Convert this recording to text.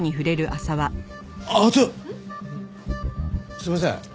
すみません。